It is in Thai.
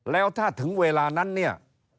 แล้วถ้าถึงเวลานั้นเนี่ย